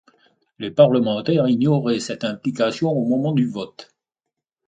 Les parlementaires ignoraient cette implication au moment du vote.